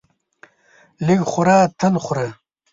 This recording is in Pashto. لږ خوره تل خوره.